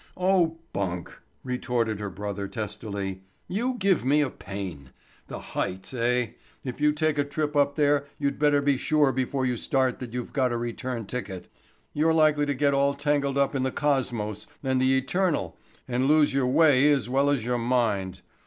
"Oh, bunk," retorted her brother testily. "You give me a pain. The heights, eh? If you take a trip up there you'd better be sure before you start that you've got a return ticket. You're likely to get all tangled up in the cosmos and the eternal and lose your way as well as your mind.